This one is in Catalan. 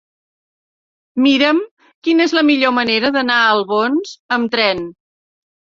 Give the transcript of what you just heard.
Mira'm quina és la millor manera d'anar a Albons amb tren.